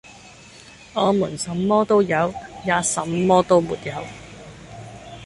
我們什麼都有，也什麼都沒有，